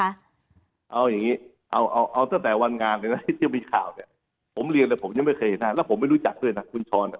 เอาอย่างนี้เอาเอาตั้งแต่วันงานเลยนะที่มีข่าวเนี่ยผมเรียนเลยผมยังไม่เคยเห็นแล้วผมไม่รู้จักด้วยนะคุณช้อนอ่ะ